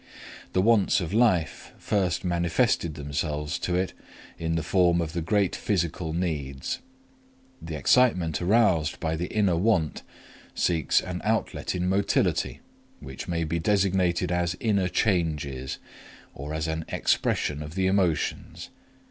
The wants of life first manifested themselves to it in the form of the great physical needs. The excitement aroused by the inner want seeks an outlet in motility, which may be designated as "inner changes" or as an "expression of the emotions."